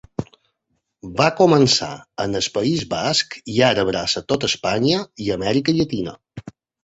Va començar al País Basc i ara abraça tot Espanya i Amèrica Llatina.